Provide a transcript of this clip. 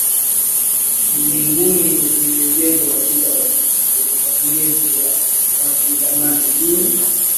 mbinguni limejengwa katika udhanifu wa kizamani juu